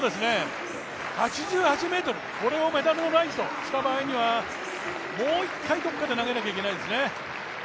８８ｍ、これをメダルのラインとした場合にはもう１回どこかで投げないといけないですね。